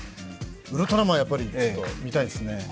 「ウルトラマン」はやっぱり見たいですね。